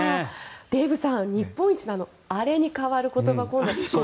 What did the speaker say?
デーブさん日本一のアレに代わる言葉。